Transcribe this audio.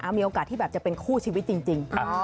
มีโอกาสที่แบบจะเป็นคู่ชีวิตจริง